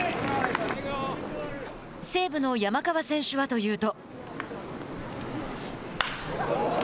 西武の山川選手はというと。